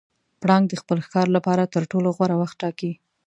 پړانګ د خپل ښکار لپاره تر ټولو غوره وخت ټاکي.